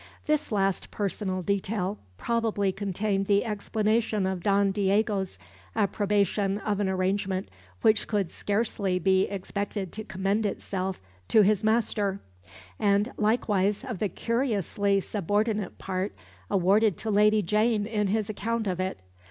This last personal detail probably contained the explanation of Don Diego's approbation of an arrangement which could scarcely be expected to commend itself to his master, and likewise of the curiously subordinate part awarded to Lady Jane in his account of it.